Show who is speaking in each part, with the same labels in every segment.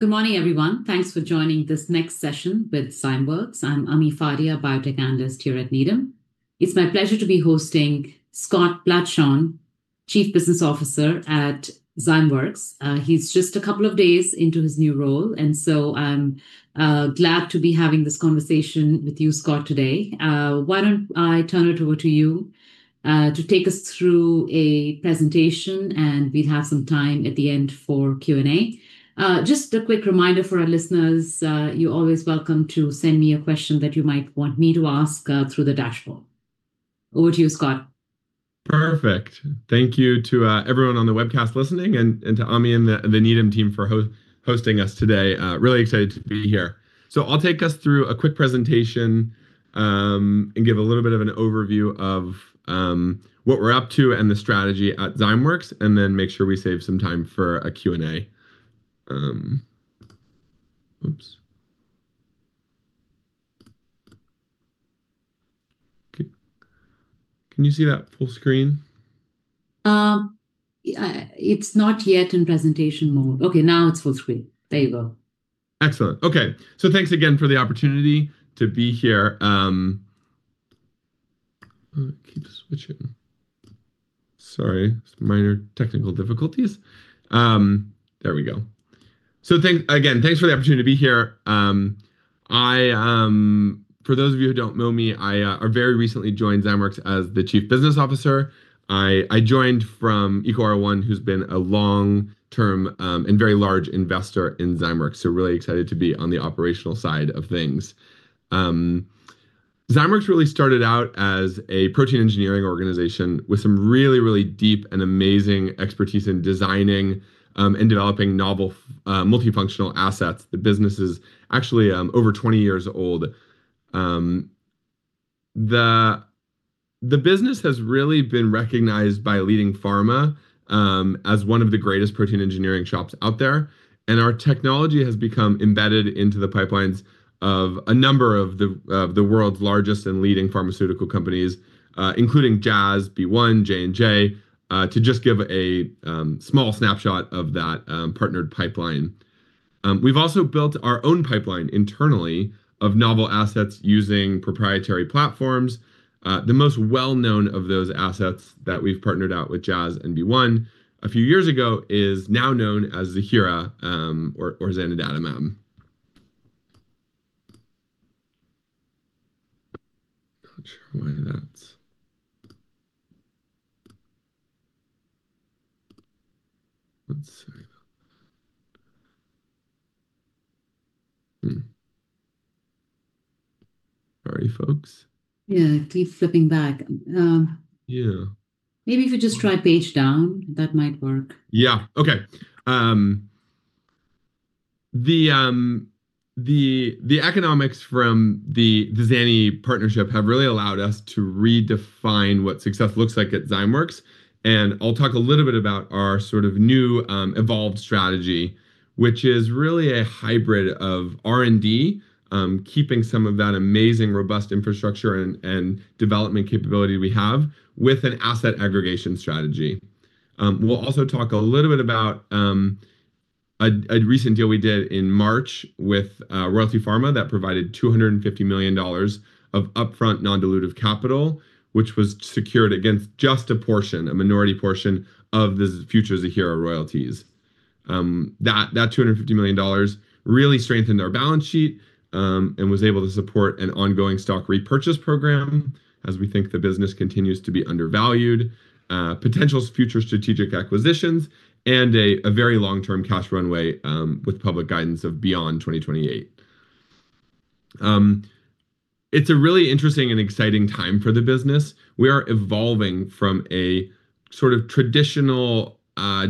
Speaker 1: Good morning everyone. Thanks for joining this next session with Zymeworks. I'm Ami Fadia, Biotech Analyst here at Needham. It's my pleasure to be hosting Scott Platshon, Chief Business Officer at Zymeworks. He's just a couple of days into his new role. I'm glad to be having this conversation with you Scott today. Why don't I turn it over to you to take us through a presentation? We'll have some time at the end for Q&A. Just a quick reminder for our listeners, you're always welcome to send me a question that you might want me to ask through the dashboard. Over to you Scott.
Speaker 2: Perfect. Thank you to everyone on the webcast listening and to Ami and the Needham team for hosting us today. Really excited to be here. I'll take us through a quick presentation and give a little bit of an overview of what we're up to and the strategy at Zymeworks, and then make sure we save some time for a Q&A. Oops! Okay. Can you see that full screen?
Speaker 1: It's not yet in presentation mode. Okay, now it's full screen. There you go.
Speaker 2: Excellent. Okay. Thanks again for the opportunity to be here. Keep switching. Sorry, some minor technical difficulties. There we go. Again, thanks for the opportunity to be here. For those of you who don't know me, I very recently joined Zymeworks as the Chief Business Officer. I joined from EcoR1, who's been a long-term and very large investor in Zymeworks, so really excited to be on the operational side of things. Zymeworks really started out as a protein engineering organization with some really deep and amazing expertise in designing and developing novel multifunctional assets. The business is actually over 20 years old. The business has really been recognized by leading pharma as one of the greatest protein engineering shops out there. Our technology has become embedded into the pipelines of a number of the world's largest, and leading pharmaceutical companies, including Jazz, BeOne, J&J, to just give a small snapshot of that partnered pipeline. We've also built our own pipeline internally of novel assets using proprietary platforms. The most well-known of those assets that we've partnered out with Jazz and BeOne. A few years ago is now known as Ziihera, or zanidatamab. I'm not sure why that's. One second. Sorry folks.
Speaker 1: Yeah, it keeps flipping back.
Speaker 2: Yeah.
Speaker 1: Maybe if you just try page down, that might work.
Speaker 2: Yeah. Okay. The economics from the zanidatamab partnership have really allowed us to redefine what success looks like at Zymeworks, and I'll talk a little bit about our sort of new, evolved strategy, which is really a hybrid of R&D, keeping some of that amazing robust infrastructure, and development capability we have with an asset aggregation strategy. We'll also talk a little bit about a recent deal we did in March with Royalty Pharma that provided $250 million of upfront non-dilutive capital, which was secured against just a portion, a minority portion of the future Ziihera royalties. That $250 million really strengthened our balance sheet and was able to support an ongoing stock repurchase program as we think the business continues to be undervalued, potential future strategic acquisitions, and a very long-term cash runway with public guidance of beyond 2028. It's a really interesting and exciting time for the business. We are evolving from a sort of traditional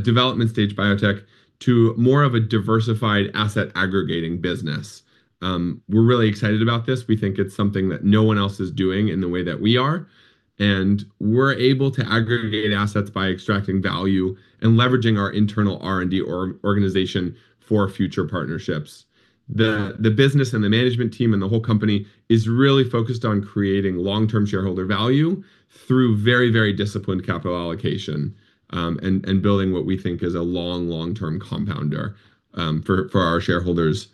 Speaker 2: development stage biotech to more of a diversified asset aggregating business. We're really excited about this. We think it's something that no one else is doing in the way that we are, and we're able to aggregate assets by extracting value and leveraging our internal R&D organization for future partnerships. The business and the management team and the whole company is really focused on creating long-term shareholder value through very, very disciplined capital allocation, and building what we think is a long, long-term compounder for our shareholders.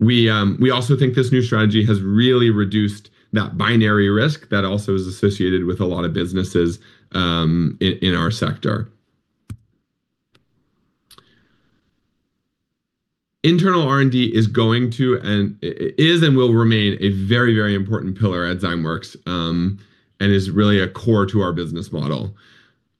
Speaker 2: We also think this new strategy has really reduced that binary risk that also is associated with a lot of businesses in our sector. Internal R&D is going to and-- is and will remain a very, very important pillar at Zymeworks, and is really a core to our business model.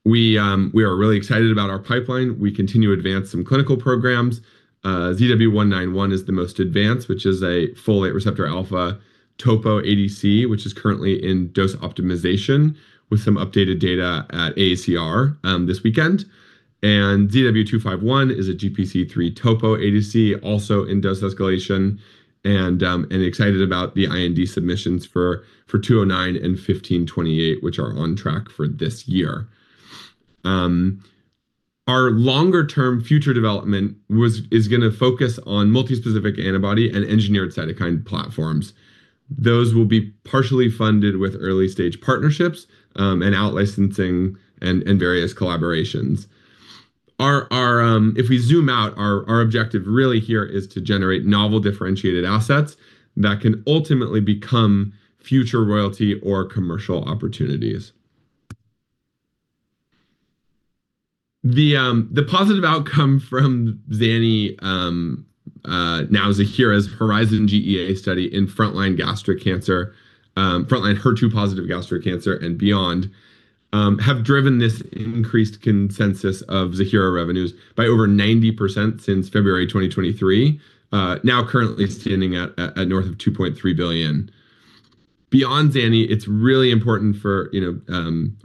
Speaker 2: We are really excited about our pipeline. We continue to advance some clinical programs. ZW191 is the most advanced, which is a folate receptor alpha topo ADC, which is currently in dose optimization with some updated data at AACR this weekend. ZW251 is a GPC3 topo ADC, also in dose escalation, and excited about the IND submissions for 209 and 1528, which are on track for this year. Our longer-term future development is going to focus on multispecific antibody and engineered cytokine platforms. Those will be partially funded with early-stage partnerships, and out-licensing and various collaborations. If we zoom out, our objective really here is to generate novel differentiated assets that can ultimately become future royalty or commercial opportunities. The positive outcome from zanidatamab, now Ziihera's HERIZON-GEA-01 study in frontline HER2-positive gastric cancer and beyond, have driven this increased consensus of Ziihera revenues by over 90% since February 2023, now currently standing at north of $2.3 billion. Beyond zanidatamab, it's really important for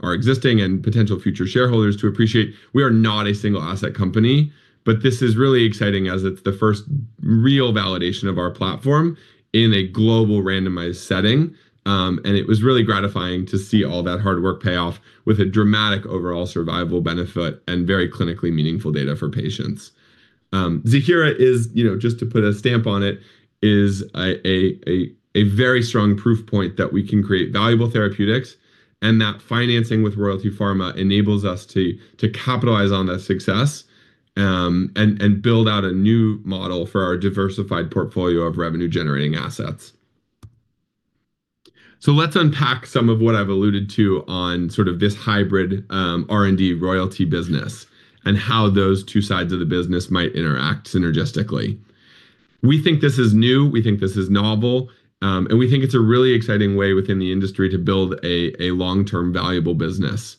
Speaker 2: our existing and potential future shareholders to appreciate we are not a single-asset company, but this is really exciting as it's the first real validation of our platform in a global randomized setting, and it was really gratifying to see all that hard work pay off with a dramatic overall survival benefit, and very clinically meaningful data for patients. Ziihera, just to put a stamp on it, is a very strong proof point that we can create valuable therapeutics, and that financing with Royalty Pharma enables us to capitalize on that success, and build out a new model for our diversified portfolio of revenue-generating assets. Let's unpack some of what I've alluded to on sort of this hybrid R&D royalty business and how those two sides of the business might interact synergistically. We think this is new, we think this is novel, and we think it's a really exciting way within the industry to build a long-term valuable business.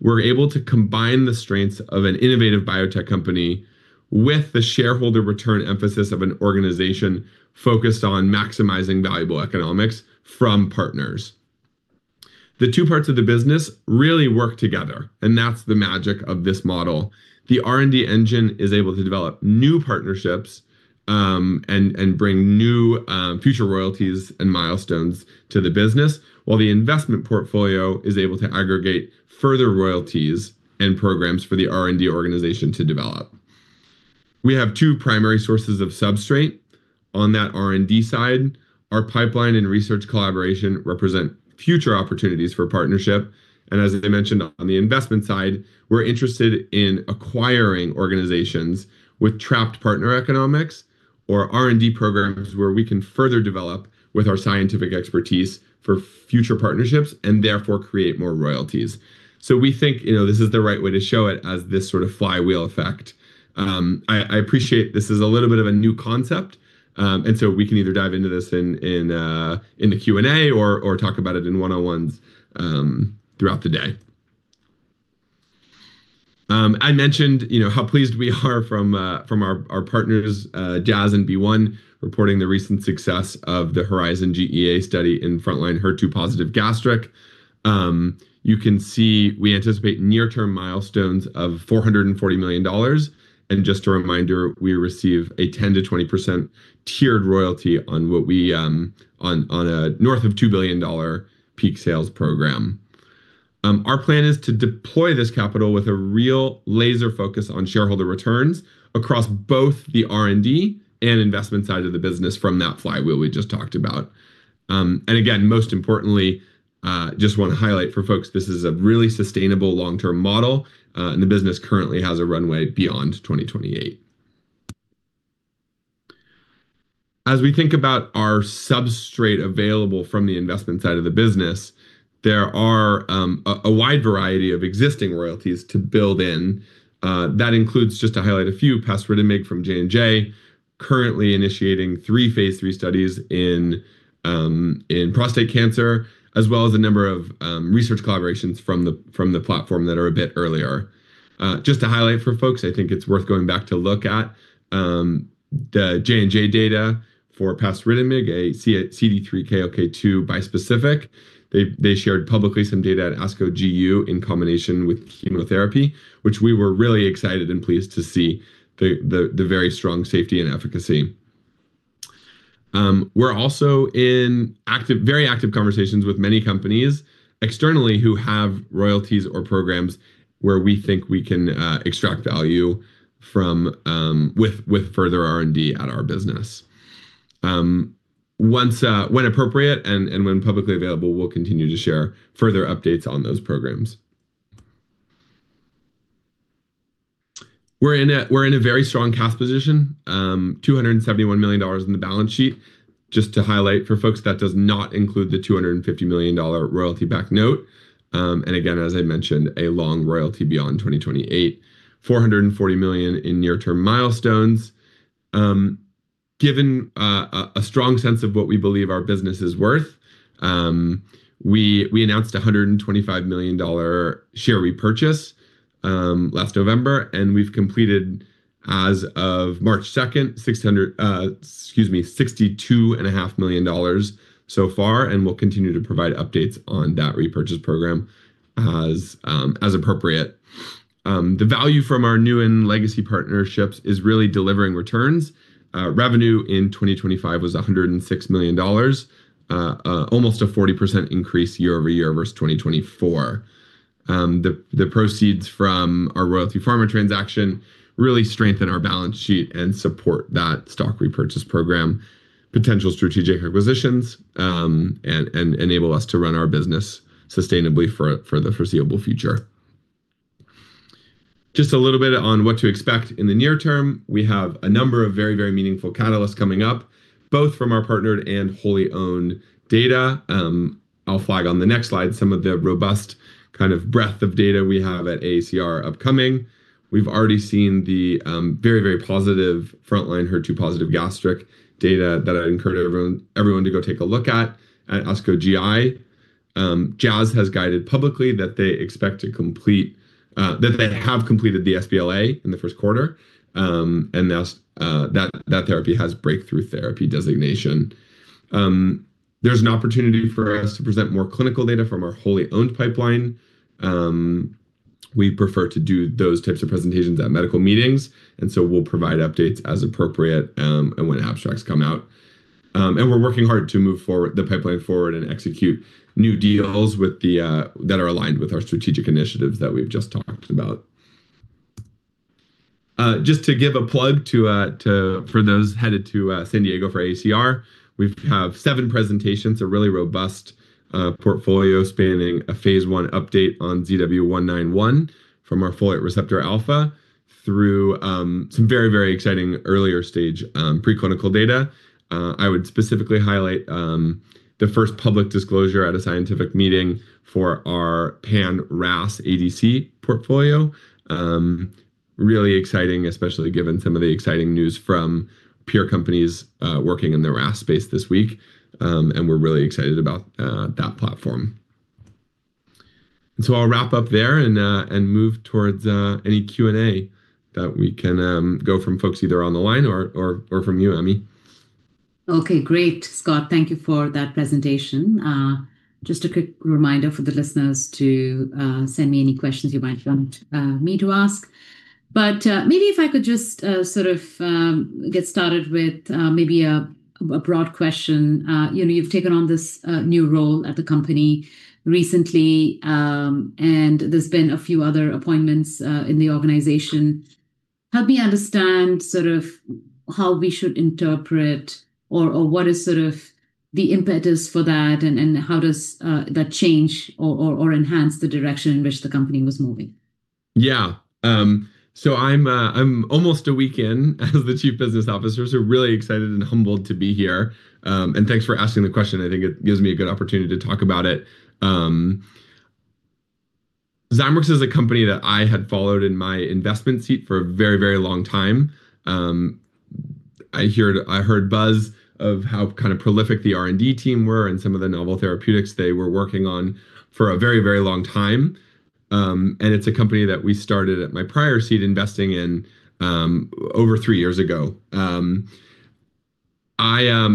Speaker 2: We're able to combine the strengths of an innovative biotech company with the shareholder return emphasis of an organization focused on maximizing valuable economics from partners. The two parts of the business really work together, and that's the magic of this model. The R&D engine is able to develop new partnerships and bring new future royalties and milestones to the business, while the investment portfolio is able to aggregate further royalties and programs for the R&D organization to develop. We have two primary sources of substrate on that R&D side. Our pipeline and research collaboration represent future opportunities for partnership. As I mentioned on the investment side, we're interested in acquiring organizations with trapped partner economics or R&D programs where we can further develop with our scientific expertise for future partnerships and therefore create more royalties. We think this is the right way to show it as this sort of flywheel effect. I appreciate this is a little bit of a new concept. We can either dive into this in the Q&A or talk about it in one-on-ones throughout the day. I mentioned how pleased we are from our partners, Jazz and BeOne, reporting the recent success of the HORIZON GEA study in frontline HER2 positive gastric. You can see we anticipate near-term milestones of $440 million. And just a reminder, we receive a 10%-20% tiered royalty on a north of $2 billion peak sales program. Our plan is to deploy this capital with a real laser focus on shareholder returns across both the R&D and investment side of the business from that flywheel we just talked about. And again, most importantly, just want to highlight for folks, this is a really sustainable long-term model, and the business currently has a runway beyond 2028. As we think about our substrate available from the investment side of the business, there are a wide variety of existing royalties to build in. That includes, just to highlight a few, pasritamig from J&J, currently initiating three phase III studies in prostate cancer, as well as a number of research collaborations from the platform that are a bit earlier. Just to highlight for folks, I think it's worth going back to look at the J&J data for pasritamig, a CD3 x KLK2 bispecific. They shared publicly some data at ASCO GU in combination with chemotherapy, which we were really excited and pleased to see the very strong safety and efficacy. We're also in very active conversations with many companies externally who have royalties or programs where we think we can extract value with further R&D at our business. When appropriate and when publicly available, we'll continue to share further updates on those programs. We're in a very strong cash position, $271 million on the balance sheet. Just to highlight for folks that does not include the $250 million royalty-backed note. Again, as I mentioned, a long royalty beyond 2028, $440 million in near-term milestones. Given a strong sense of what we believe our business is worth, we announced $125 million share repurchase last November, and we've completed, as of March 2nd, $62.5 million so far and will continue to provide updates on that repurchase program as appropriate. The value from our new and legacy partnerships is really delivering returns. Revenue in 2025 was $106 million, almost a 40% increase year-over-year versus 2024. The proceeds from our Royalty Pharma transaction really strengthen our balance sheet and support that stock repurchase program, potential strategic acquisitions, and enable us to run our business sustainably for the foreseeable future. Just a little bit on what to expect in the near term. We have a number of very, very meaningful catalysts coming up, both from our partnered and wholly owned data. I'll flag on the next slide some of the robust kind of breadth of data we have at AACR upcoming. We've already seen the very, very positive frontline HER2-positive gastric data that I'd encourage everyone to go take a look at ASCO GI. Jazz has guided publicly that they have completed the sBLA in the Q1, and that therapy has Breakthrough Therapy Designation. There's an opportunity for us to present more clinical data from our wholly owned pipeline. We prefer to do those types of presentations at medical meetings, and so we'll provide updates as appropriate, and when abstracts come out. We're working hard to move the pipeline forward and execute new deals that are aligned with our strategic initiatives that we've just talked about. Just to give a plug for those headed to San Diego for AACR, we have seven presentations, a really robust portfolio spanning a phase I update on ZW191 from our folate receptor alpha through some very, very exciting earlier stage preclinical data. I would specifically highlight the first public disclosure at a scientific meeting for our pan-RAS ADC portfolio, really exciting, especially given some of the exciting news from peer companies working in the RAS space this week, and we're really excited about that platform. I'll wrap up there and move towards any Q&A that we can go from folks either on the line or from you, Ami.
Speaker 1: Okay. Great, Scott. Thank you for that presentation. Just a quick reminder for the listeners to send me any questions you might want me to ask. Maybe if I could just sort of get started with maybe a broad question. You've taken on this new role at the company recently, and there's been a few other appointments in the organization. Help me understand sort of how we should interpret or what is sort of the impetus for that, and how does that change or enhance the direction in which the company was moving?
Speaker 2: Yeah. I'm almost a week in as the Chief Business Officer, so really excited and humbled to be here. Thanks for asking the question. I think it gives me a good opportunity to talk about it. Zymeworks is a company that I had followed in my investment seat for a very, very long time. I heard buzz of how kind of prolific the R&D team were and some of the novel therapeutics they were working on for a very, very long time. It's a company that we started at my prior seat investing in over three years ago. I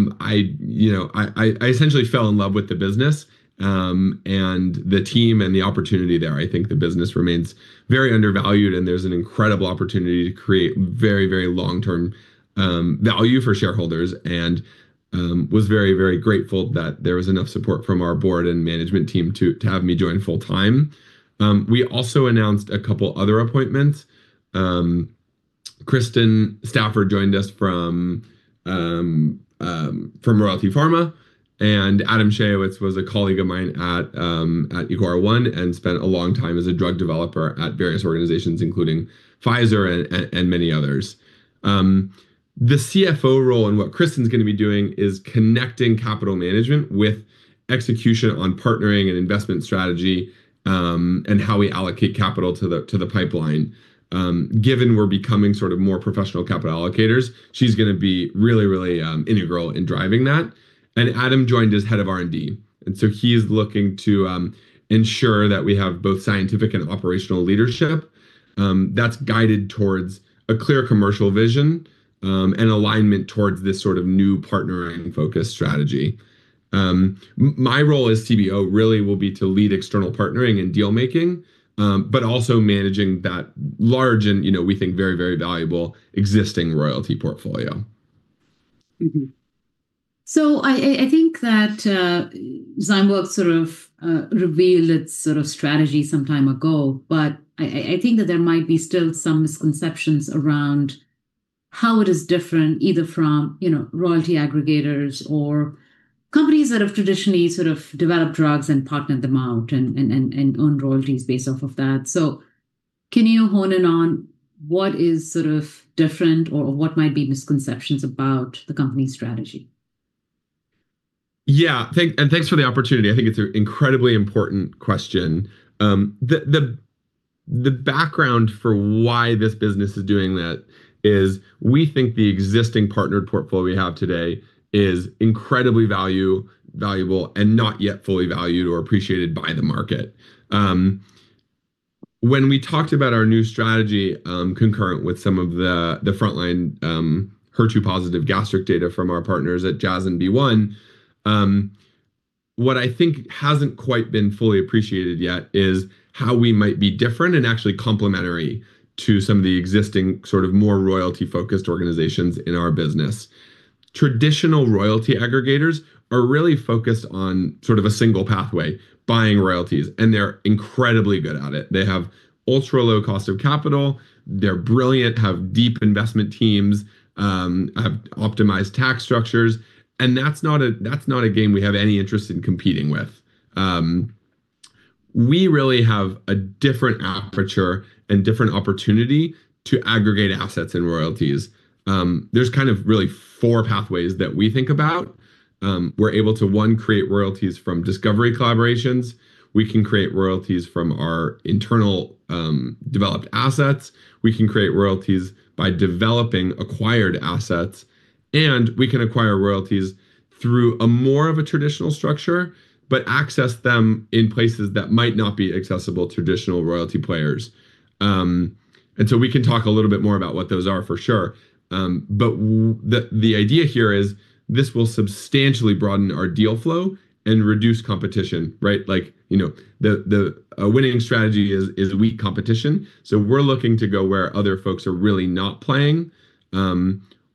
Speaker 2: essentially fell in love with the business, and the team, and the opportunity there. I think the business remains very undervalued, and there's an incredible opportunity to create very long-term value for shareholders, and was very grateful that there was enough support from our Board and Management Team to have me join full time. We also announced a couple other appointments. Kristin Stafford joined us from Royalty Pharma, and Adam Schayowitz was a colleague of mine at EcoR1 and spent a long time as a drug developer at various organizations, including Pfizer and many others. The CFO role and what Kristin's going to be doing is connecting capital management with execution on partnering and investment strategy, and how we allocate capital to the pipeline. Given we're becoming sort of more professional capital allocators, she's going to be really integral in driving that. Adam joined as Head of R&D. He is looking to ensure that we have both scientific and operational leadership that's guided towards a clear commercial vision, and alignment towards this sort of new partnering focus strategy. My role as CBO really will be to lead external partnering and deal-making, but also managing that large and, we think, very, very valuable existing royalty portfolio.
Speaker 1: I think that Zymeworks sort of revealed its sort of strategy some time ago, but I think that there might be still some misconceptions around how it is different either from royalty aggregators or companies that have traditionally sort of developed drugs and partnered them out and own royalties based off of that. Can you hone in on what is sort of different or what might be misconceptions about the company's strategy?
Speaker 2: Yeah. Thanks for the opportunity. I think it's an incredibly important question. The background for why this business is doing that is we think the existing partnered portfolio we have today is incredibly valuable and not yet fully valued or appreciated by the market. When we talked about our new strategy, concurrent with some of the frontline HER2-positive gastric data from our partners at Jazz and BeOne. What I think hasn't quite been fully appreciated yet is how we might be different and actually complementary to some of the existing sort of more royalty-focused organizations in our business. Traditional royalty aggregators are really focused on sort of a single pathway, buying royalties, and they're incredibly good at it. They have ultra-low cost of capital. They're brilliant, have deep investment teams, have optimized tax structures, and that's not a game we have any interest in competing with. We really have a different aperture and different opportunity to aggregate assets and royalties. There's kind of really four pathways that we think about. We're able to, one, create royalties from discovery collaborations. We can create royalties from our internal developed assets. We can create royalties by developing acquired assets, and we can acquire royalties through a more of a traditional structure, but access them in places that might not be accessible to traditional royalty players. We can talk a little bit more about what those are, for sure. The idea here is this will substantially broaden our deal flow and reduce competition, right? The winning strategy is weak competition, so we're looking to go where other folks are really not playing.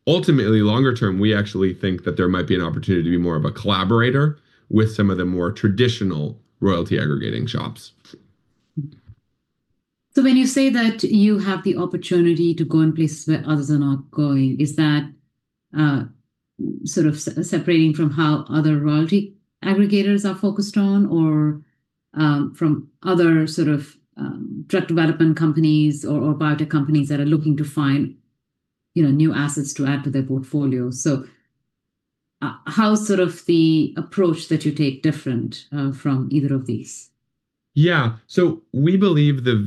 Speaker 2: Ultimately, longer term, we actually think that there might be an opportunity to be more of a collaborator with some of the more traditional royalty aggregating shops.
Speaker 1: When you say that you have the opportunity to go in places where others are not going, is that sort of separating from how other royalty aggregators are focused on, or from other sort of drug development companies or biotech companies that are looking to find new assets to add to their portfolio? How is the approach that you take different from either of these?
Speaker 2: Yeah. We believe there's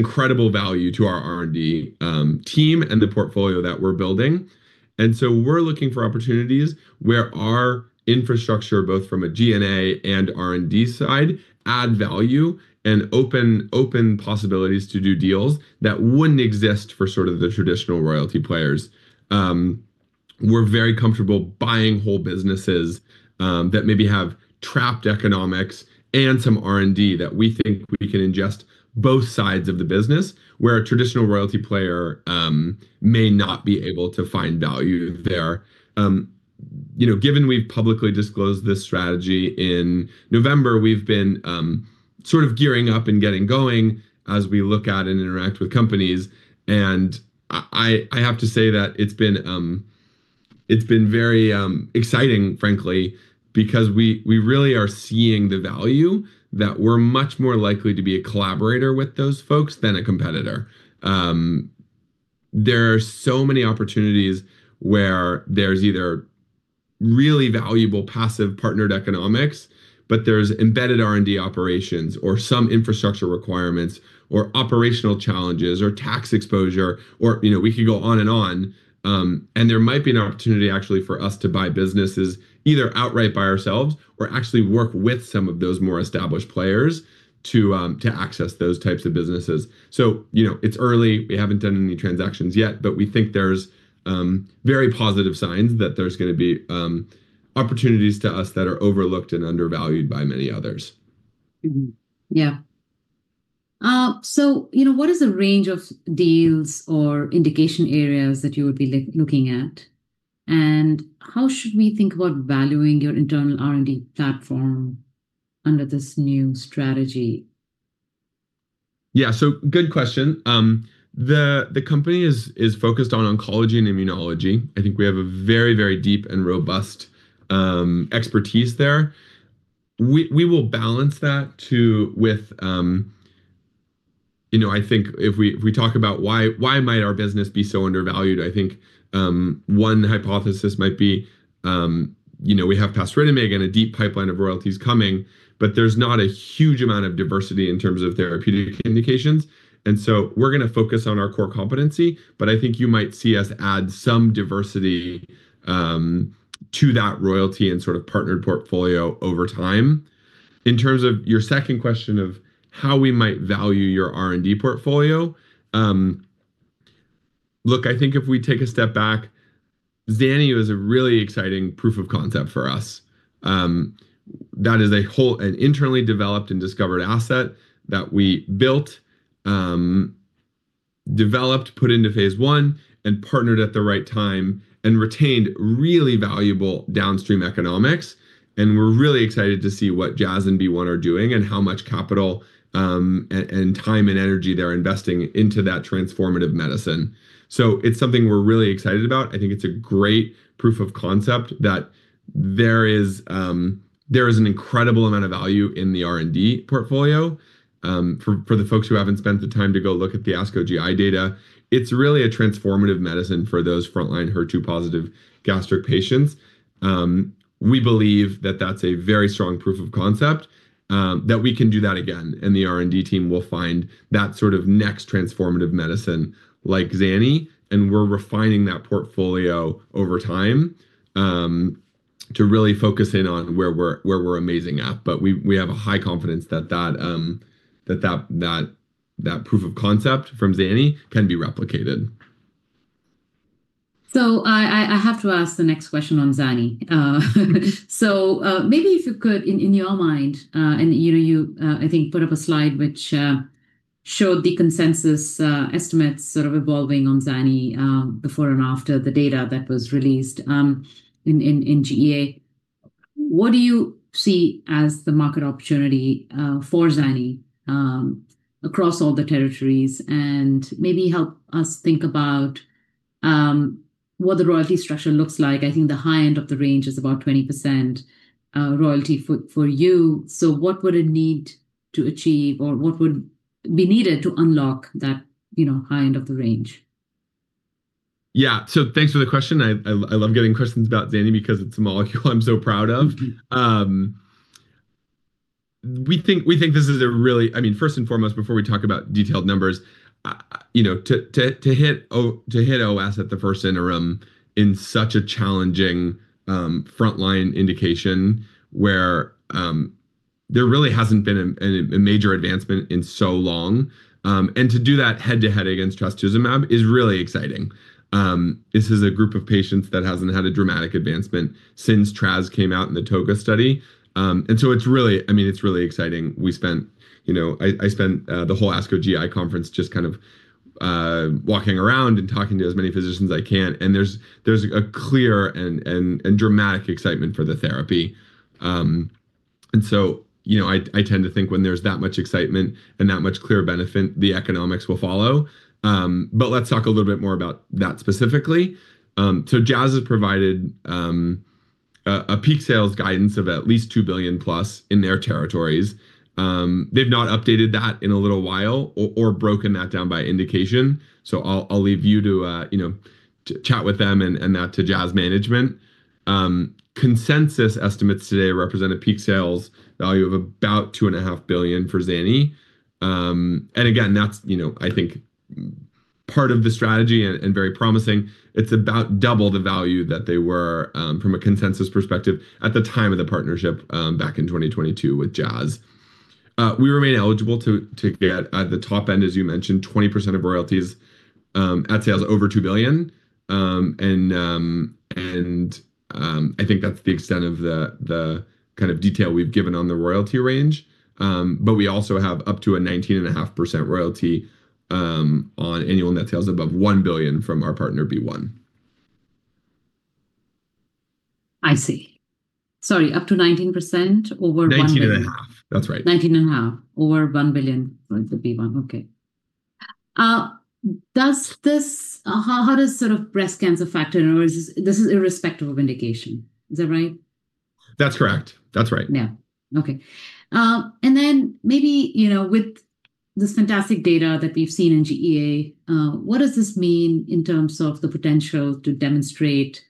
Speaker 2: incredible value to our R&D team and the portfolio that we're building. We're looking for opportunities where our infrastructure, both from a G&A and R&D side, add value and open possibilities to do deals that wouldn't exist for sort of the traditional royalty players. We're very comfortable buying whole businesses that maybe have trapped economics and some R&D that we think we can ingest both sides of the business, where a traditional royalty player may not be able to find value there. Given we've publicly disclosed this strategy in November, we've been sort of gearing up, and getting going as we look at and interact with companies. I have to say that it's been very exciting, frankly, because we really are seeing the value that we're much more likely to be a collaborator with those folks than a competitor. There are so many opportunities where there's either really valuable passive partnered economics, but there's embedded R&D operations or some infrastructure requirements or operational challenges or tax exposure or we could go on and on. There might be an opportunity actually for us to buy businesses either outright by ourselves or actually work with some of those more established players to access those types of businesses. It's early, we haven't done any transactions yet, but we think there's very positive signs that there's going to be opportunities to us that are overlooked and undervalued by many others.
Speaker 1: Yeah. What is the range of deals or indication areas that you would be looking at? How should we think about valuing your internal R&D platform under this new strategy?
Speaker 2: Yeah. Good question. The company is focused on oncology and immunology. I think we have a very deep and robust expertise there. I think if we talk about why might our business be so undervalued, I think one hypothesis might be we have pasritamig and a deep pipeline of royalties coming, but there's not a huge amount of diversity in terms of therapeutic indications. We're going to focus on our core competency, but I think you might see us add some diversity to that royalty and sort of partnered portfolio over time. In terms of your second question of how we might value our R&D portfolio, look, I think if we take a step back, zanidatamab is a really exciting proof of concept for us. That is a whole and internally developed and discovered asset that we built, developed, put into phase I, and partnered at the right time and retained really valuable downstream economics. We're really excited to see what Jazz and BeOne are doing and how much capital and time and energy they're investing into that transformative medicine. It's something we're really excited about. I think it's a great proof of concept that there is an incredible amount of value in the R&D portfolio. For the folks who haven't spent the time to go look at the ASCO GI data, it's really a transformative medicine for those frontline HER2-positive gastric patients. We believe that that's a very strong proof of concept that we can do that again. The R&D team will find that sort of next transformative medicine like zanidatamab. We're refining that portfolio over time to really focus in on where we're amazing at. We have a high confidence that proof of concept from zanidatamab can be replicated.
Speaker 1: I have to ask the next question on zanidatamab. Maybe if you could, in your mind, you, I think, put up a slide which showed the consensus estimates sort of evolving on zanidatamab before and after the data that was released in GEA. What do you see as the market opportunity for zanidatamab across all the territories? Maybe help us think about, what the royalty structure looks like? I think the high end of the range is about 20% royalty for you. What would it need to achieve or what would be needed to unlock that high end of the range?
Speaker 2: Yeah. Thanks for the question. I love getting questions about zanidatamab because it's a molecule I'm so proud of. First and foremost, before we talk about detailed numbers, to hit OS at the first interim in such a challenging frontline indication where there really hasn't been a major advancement in so long, and to do that head-to-head against trastuzumab is really exciting. This is a group of patients that hasn't had a dramatic advancement since trast came out in the TOGA study. It's really exciting. I spent the whole ASCO GI conference just walking around and talking to as many physicians I can, and there's a clear and dramatic excitement for the therapy. I tend to think when there's that much excitement and that much clear benefit, the economics will follow. Let's talk a little bit more about that specifically. Jazz has provided a peak sales guidance of at least $2 billion+ in their territories. They've not updated that in a little while or broken that down by indication, so I'll leave you to chat with them and that to Jazz management. Consensus estimates today represent a peak sales value of about $2.5 billion for zanidatamab. Again, that's I think part of the strategy and very promising. It's about double the value that they were from a consensus perspective at the time of the partnership back in 2022 with Jazz. We remain eligible to get at the top end, as you mentioned, 20% of royalties at sales over $2 billion. I think that's the extent of the kind of detail we've given on the royalty range. We also have up to a 19.5% royalty on annual net sales above $1 billion from our partner, BeOne.
Speaker 1: I see. Sorry, up to 19% over $1 billion.
Speaker 2: 19.5%. That's right.
Speaker 1: 19.5% over $1 billion for BeOne. Okay. How does breast cancer factor in, or this is irrespective of indication, is that right?
Speaker 2: That's correct. That's right.
Speaker 1: Yeah. Okay. Maybe with this fantastic data that we've seen in GEA, what does this mean in terms of the potential to demonstrate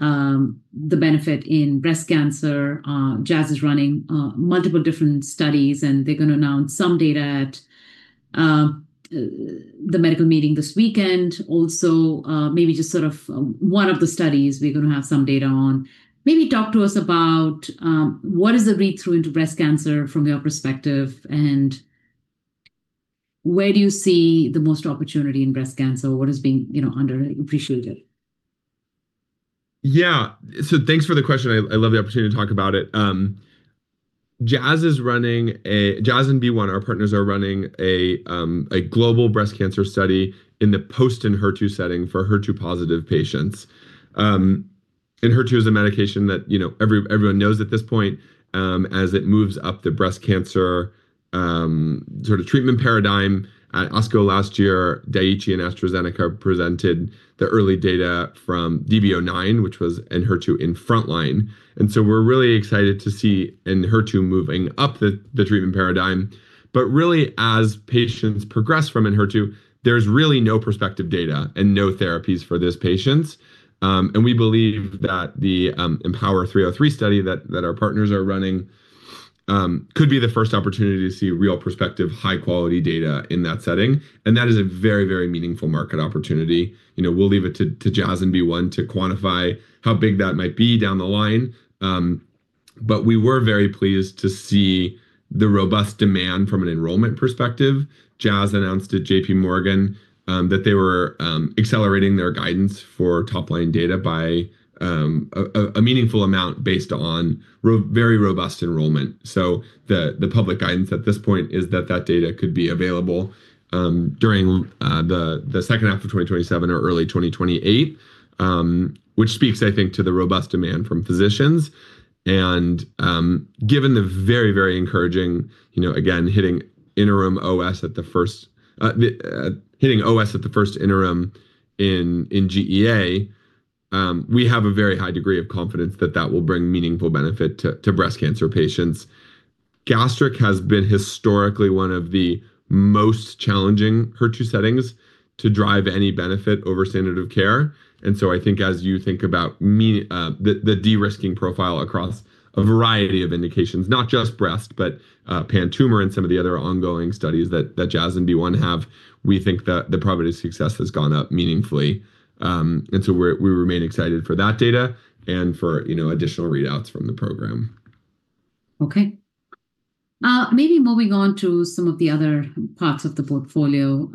Speaker 1: the benefit in breast cancer? Jazz is running multiple different studies, and they're going to announce some data at the medical meeting this weekend also, maybe just one of the studies we're going to have some data on. Maybe talk to us about, what is the read-through into breast cancer from your perspective, and where do you see the most opportunity in breast cancer? What is being underappreciated?
Speaker 2: Yeah. Thanks for the question. I love the opportunity to talk about it. Jazz and BeOne, our partners, are running a global breast cancer study in the post-Enhertu setting for HER2-positive patients. Enhertu is a medication that everyone knows at this point, as it moves up the breast cancer treatment paradigm. At ASCO last year, Daiichi and AstraZeneca presented the early data from DB-09, which was Enhertu in frontline. We're really excited to see Enhertu moving up the treatment paradigm. Really as patients progress from Enhertu, there's really no prospective data and no therapies for those patients. We believe that the EmpowHER-303 study that our partners are running could be the first opportunity to see real prospective, high-quality data in that setting. That is a very, very meaningful market opportunity. We'll leave it to Jazz and BeOne to quantify how big that might be down the line. We were very pleased to see the robust demand from an enrollment perspective. Jazz announced at JP Morgan that they were accelerating their guidance for top-line data by a meaningful amount based on very robust enrollment. The public guidance at this point is that data could be available during the H2 of 2027 or early 2028, which speaks, I think, to the robust demand from physicians. Given the very encouraging, again, hitting OS at the first interim in GEA, we have a very high degree of confidence that that will bring meaningful benefit to breast cancer patients. Gastric has been historically one of the most challenging HER2 settings to drive any benefit over standard of care. I think as you think about the de-risking profile across a variety of indications, not just breast, but pan-tumor, and some of the other ongoing studies that Jazz and BeOne have, we think that the probability of success has gone up meaningfully. We remain excited for that data and for additional readouts from the program.
Speaker 1: Okay, maybe moving on to some of the other parts of the portfolio,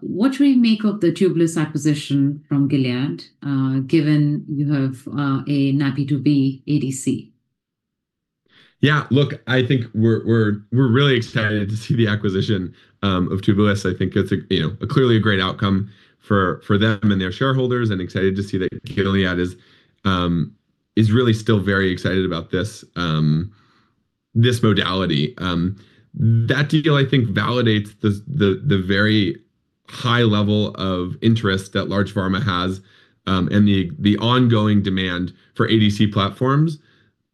Speaker 1: what do we make of the Tubulis acquisition from Gilead, given you have a NaPi2b ADC?
Speaker 2: Yeah, look, I think we're really excited to see the acquisition of Tubulis. I think it's clearly a great outcome for them and their shareholders and excited to see that Gilead is really still very excited about this modality. That deal, I think, validates the very high level of interest that large pharma has, and the ongoing demand for ADC platforms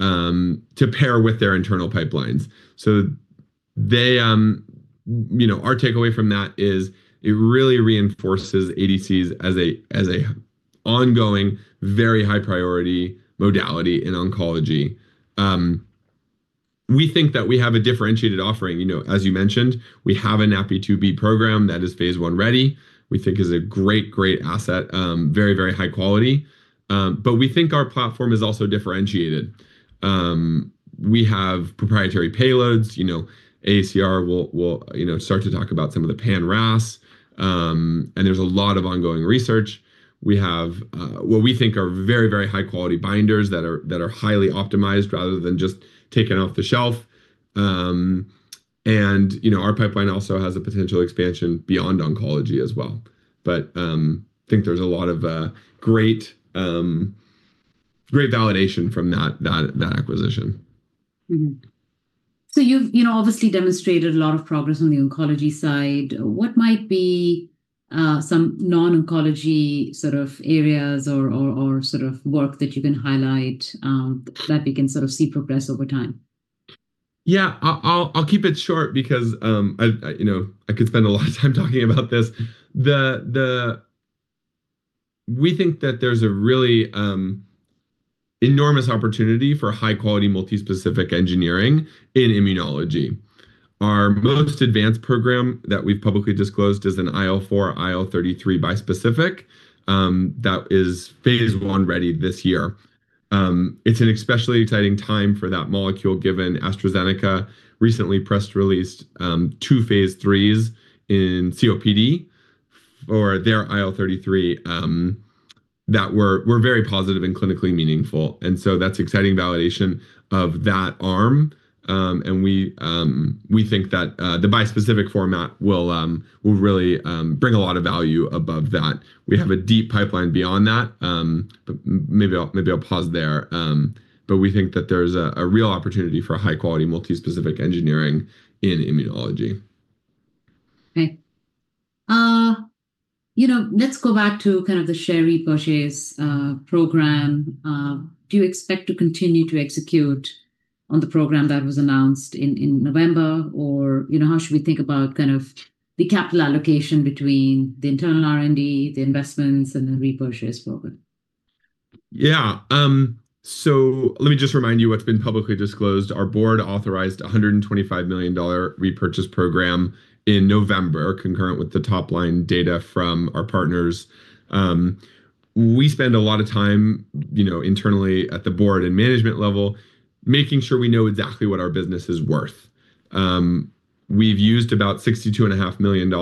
Speaker 2: to pair with their internal pipelines. Our takeaway from that is it really reinforces ADCs as an ongoing, very high priority modality in oncology. We think that we have a differentiated offering. As you mentioned, we have a NaPi2b program that is phase I-ready, we think is a great asset, very high quality. We think our platform is also differentiated. We have proprietary payloads. AACR will start to talk about some of the pan-RAS, and there's a lot of ongoing research. We have what we think are very high-quality binders that are highly optimized, rather than just taken off the shelf. Our pipeline also has a potential expansion beyond oncology as well. I think there's a lot of great validation from that acquisition.
Speaker 1: Mm-hmm. You've obviously demonstrated a lot of progress on the oncology side. What might be some non-oncology sort of areas or sort of work that you can highlight that we can sort of see progress over time?
Speaker 2: Yeah. I'll keep it short because I could spend a lot of time talking about this. We think that there's a really enormous opportunity for high-quality multi-specific engineering in immunology. Our most advanced program that we've publicly disclosed is an IL-4/IL-33 bispecific, that is phase I-ready this year. It's an especially exciting time for that molecule, given AstraZeneca recently press released two phase IIIs in COPD for their IL-33, that were very positive and clinically meaningful. That's exciting validation of that arm. We think that the bispecific format will really bring a lot of value above that. We have a deep pipeline beyond that. Maybe I'll pause there. We think that there's a real opportunity for high-quality multi-specific engineering in immunology.
Speaker 1: Okay. Let's go back to kind of the share repurchase program. Do you expect to continue to execute on the program that was announced in November? How should we think about kind of the capital allocation between the internal R&D, the investments, and the repurchase program?
Speaker 2: Yeah. Let me just remind you what's been publicly disclosed. Our Board authorized $125 million repurchase program in November, concurrent with the top-line data from our partners. We spend a lot of time internally at the Board and Management level, making sure we know exactly what our business is worth. We've used about $62.5 million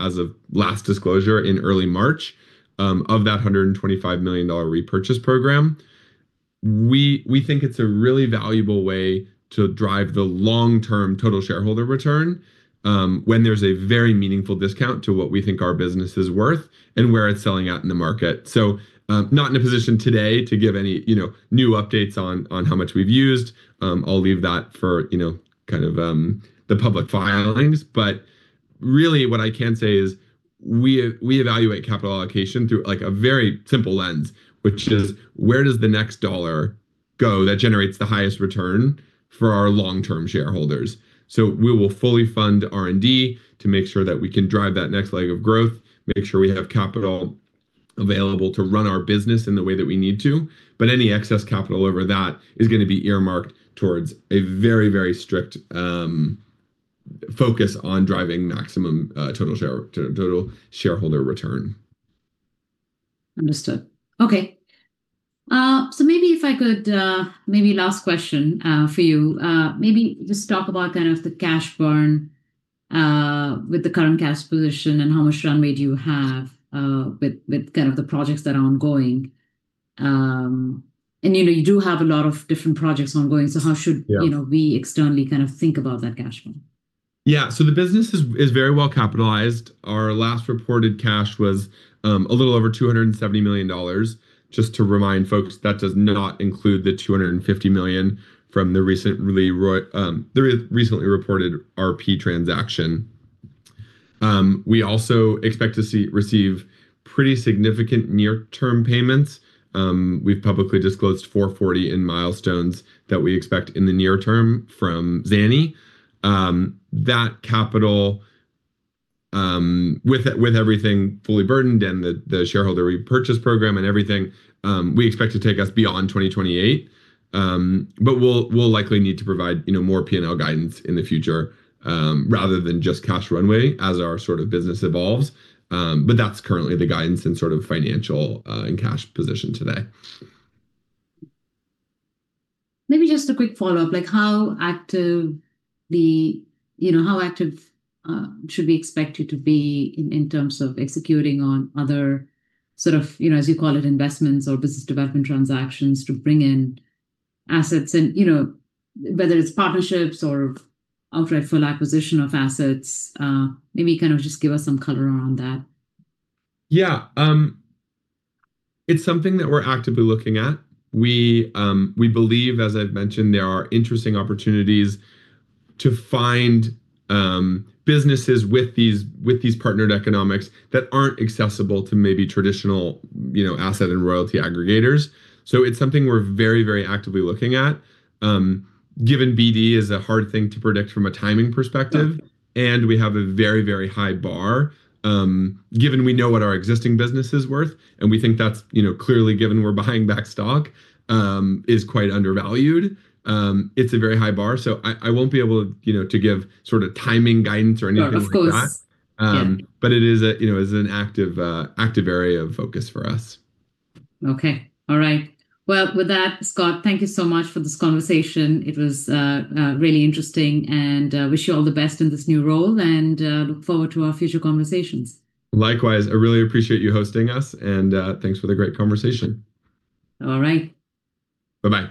Speaker 2: as of last disclosure in early March, of that $125 million repurchase program. We think it's a really valuable way to drive the long-term total shareholder return, when there's a very meaningful discount to what we think our business is worth and where it's selling out in the market. Not in a position today to give any new updates on how much we've used. I'll leave that for kind of the public filings. But really what I can say is we evaluate capital allocation through a very simple lens, which is where does the next dollar go that generates the highest return for our long-term shareholders. So we will fully fund R&D to make sure that we can drive that next leg of growth, make sure we have capital available to run our business in the way that we need to, but any excess capital over that is going to be earmarked towards a very strict focus on driving maximum total shareholder return.
Speaker 1: Understood. Okay. Maybe last question for you. Maybe just talk about kind of the cash burn with the current cash position, and how much runway do you have with kind of the projects that are ongoing? You do have a lot of different projects ongoing.
Speaker 2: Yeah
Speaker 1: We externally kind of think about that cash burn?
Speaker 2: Yeah. The business is very well capitalized. Our last reported cash was a little over $270 million. Just to remind folks, that does not include the $250 million from the recently reported RP transaction. We also expect to receive pretty significant near-term payments. We've publicly disclosed $440 in milestones that we expect in the near term from zanidatamab. That capital, with everything fully burdened and the shareholder repurchase program and everything, we expect to take us beyond 2028. We'll likely need to provide more P&L guidance in the future, rather than just cash runway as our sort of business evolves. That's currently the guidance and sort of financial and cash position today.
Speaker 1: Maybe just a quick follow-up, how active should we expect you to be in terms of executing on other sort of, as you call it, investments or business development transactions to bring in assets? Whether it's partnerships or outright full acquisition of assets, maybe kind of just give us some color around that.
Speaker 2: Yeah. It's something that we're actively looking at. We believe, as I've mentioned, there are interesting opportunities to find businesses with these partnered economics that aren't accessible to maybe traditional asset and royalty aggregators. It's something we're very actively looking at, given BD is a hard thing to predict from a timing perspective. We have a very high bar, given we know what our existing business is worth, and we think that's clearly, given we're buying back stock, is quite undervalued. It's a very high bar, so I won't be able to give sort of timing guidance or anything like that.
Speaker 1: No, of course. Yeah.
Speaker 2: It is an active area of focus for us.
Speaker 1: Okay. All right. Well, with that, Scott, thank you so much for this conversation. It was really interesting, and wish you all the best in this new role and look forward to our future conversations.
Speaker 2: Likewise. I really appreciate you hosting us, and thanks for the great conversation.
Speaker 1: All right.
Speaker 2: Bye-bye.